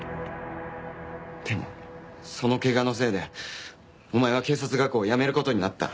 でもその怪我のせいでお前は警察学校を辞める事になった。